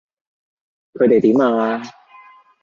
佢哋點啊？